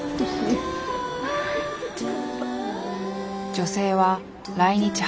女性は来日８年。